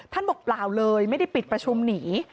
บอกเปล่าเลยไม่ได้ปิดประชุมหนี